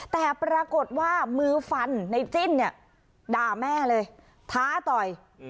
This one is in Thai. แต่ปรากฏว่ามือฟันในจิ้นเนี่ยด่าแม่เลยท้าต่อย